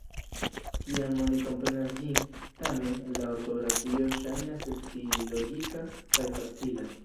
Kiam oni komprenas ĝin, tamen, la ortografio ŝajnas esti logika kaj facila.